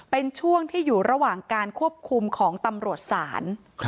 เป็นช่วงที่อยู่ระหว่างการควบคุมของตำรวจศาล